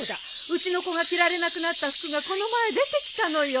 うちの子が着られなくなった服がこの前出てきたのよ。